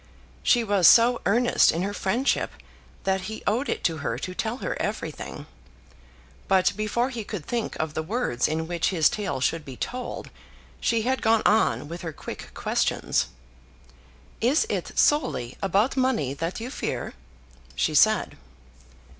She was so earnest in her friendship that he owed it to her to tell her everything. But before he could think of the words in which his tale should be told, she had gone on with her quick questions. "Is it solely about money that you fear?" she said.